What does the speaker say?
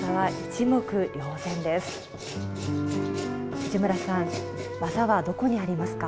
藤村さん技はどこにありますか？